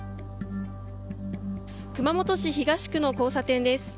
熊本市東区の交差点です。